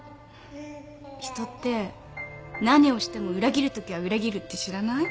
人って何をしても裏切るときは裏切るって知らない？